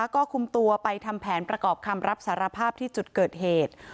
ก็คุมตัวไปทำแผนประกอบคำรับสารภาพที่จุดเกิดเหตุ